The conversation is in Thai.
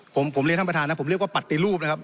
ผมผมเรียนท่านประธานนะผมเรียกว่าปฏิรูปนะครับ